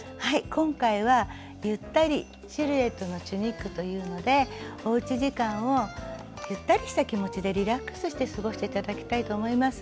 今回は「ゆったりシルエットのチュニック」というのでおうち時間をゆったりした気持ちでリラックスして過ごして頂きたいと思います。